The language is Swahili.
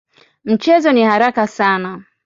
Mchezo ni haraka sana.